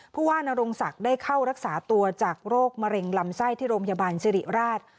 ผู้ว่านรงศักดิ์ได้เข้ารักษาตัวจากโรคมะเร็งลำไส้ที่โรงพยาบาลสิริราช